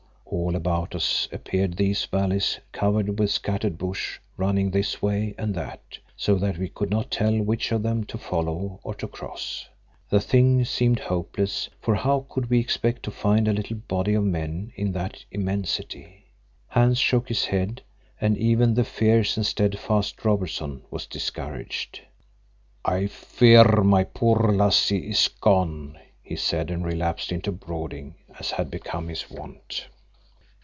All about us appeared these valleys covered with scattered bush running this way and that, so that we could not tell which of them to follow or to cross. The thing seemed hopeless, for how could we expect to find a little body of men in that immensity? Hans shook his head and even the fierce and steadfast Robertson was discouraged. "I fear my poor lassie is gone," he said, and relapsed into brooding as had become his wont.